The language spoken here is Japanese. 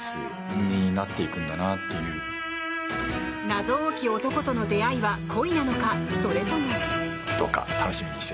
謎多き男との出会いは恋なのか、それとも。